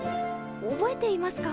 覚えていますか？